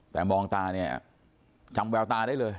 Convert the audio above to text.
แต่มองตาเนี่ยจำแววตาได้เลย